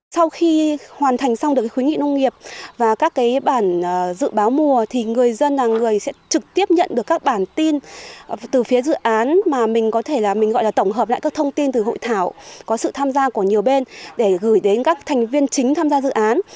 sau khi hoàn thành xong được khuyến nghị nông nghiệp và các cái bản dự báo mùa thì người dân là người sẽ trực tiếp nhận được các bản tin từ phía dự án mà mình có thể là mình gọi là tổng hợp lại các thông tin từ hội thảo có sự tham gia của nhiều bên để gửi đến các thành viên chính tham gia dự án